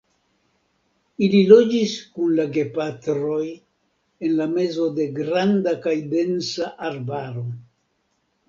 Ili loĝis kun la gepatroj en la mezo de granda kaj densa arbaro.